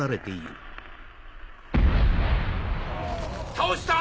倒した！